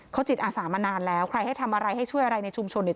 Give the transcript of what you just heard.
เขาจิตอาสามานานแล้วใครให้ทำอะไรให้ช่วยอะไรในชุมชนเนี่ย